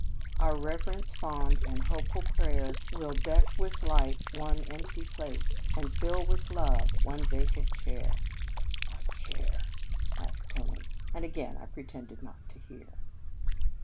" Our reverence fond and hopeful prayer Will deck with light one empty place, And fill with love one vacant chair." "What chair?" asked Tony, and again I pretended not to hear.